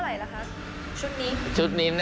อันนี้เท่าไหร่ล่ะคะชุดนี้